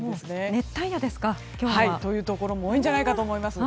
熱帯夜ですか？というところも多いんじゃないかと思います。